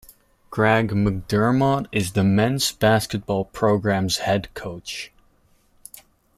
Greg McDermott is the men's basketball program's head coach.